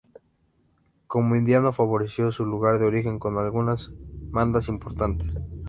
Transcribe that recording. Como indiano favoreció su lugar de origen con algunas mandas importantes.